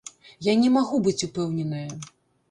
Я не магу быць упэўненая.